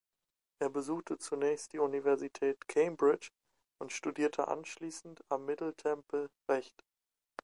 Er besuchte zunächst die Universität Cambridge und studierte anschließend am Middle Temple Recht.